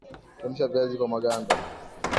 chemsha viazi kwa maganda